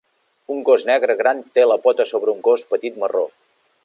Un gos negre gran té la pota sobre un gos petit marró.